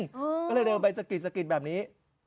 ก็เลยเดินไปสกินแบบนี้